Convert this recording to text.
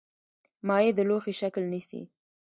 مایع د لوښي شکل نیسي.